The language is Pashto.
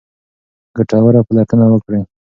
ګټوره پلټنه وکړئ.